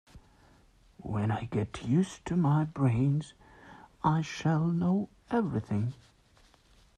When I get used to my brains I shall know everything.